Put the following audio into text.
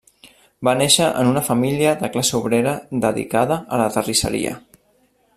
Va néixer en una família de classe obrera dedicada a la terrisseria.